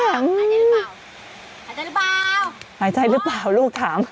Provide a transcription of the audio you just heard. หายใจหรือเปล่าหายใจหรือเปล่าลูกถาม